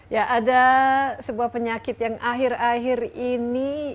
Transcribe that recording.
ya ada sebuah penyakit yang akhir akhir ini